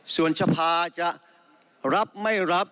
ส่วนสภาจะรับไม่รับ